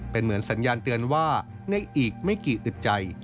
เป็นเหมือนสัญญาณเตือนว่าในอีกไม่กี่อึดใจ